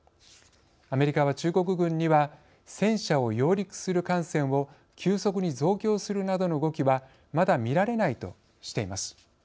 アメリカは中国軍には戦車を揚陸する艦船を急速に増強するなどの動きはまだ見られないとしています。